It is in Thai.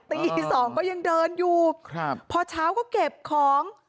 ตีสองก็ยังเดินอยู่ครับพอเช้าก็เก็บของ